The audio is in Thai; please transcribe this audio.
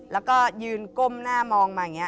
แล้วก็ยืนก้มหน้ามองมาอย่างนี้